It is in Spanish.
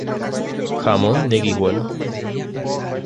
Jamón de Guijuelo.